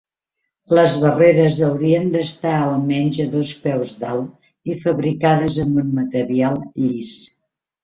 Les barreres haurien d'estar almenys a dos peus d'alt i fabricades amb un material llis.